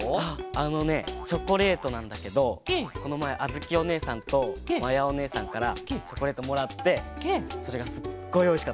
あのねチョコレートなんだけどこのまえあづきおねえさんとまやおねえさんからチョコレートもらってそれがすっごいおいしかった。